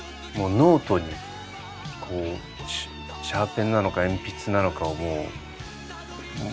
ノートにこうシャーペンなのか鉛筆なのかもう。